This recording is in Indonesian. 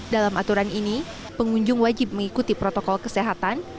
dalam aturan ini pengunjung wajib mengikuti protokol kesehatan